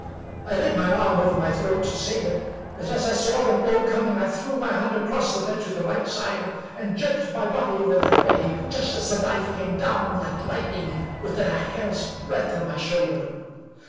I laid my arm over my throat to save it; but, as I saw the blow coming, I threw my hand across the bed to the right side, and jerked my body over that way, just as the knife came down, like lightning, within a hair's breadth of my shoulder.